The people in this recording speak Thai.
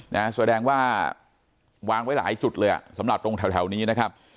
นะฮะส่วนแดงว่าวางไว้หลายจุดเลยอะสำหรับตรงที่แถวนี้นะฮะ